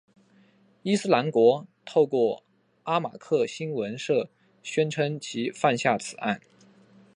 伊斯兰国透过阿马克新闻社宣称其犯下此案。